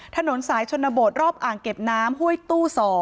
ถนนสายชนบทรอบอ่างเก็บน้ำห้วยตู้๒